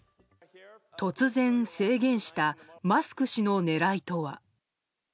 突然、制限したマスク氏の狙いとは？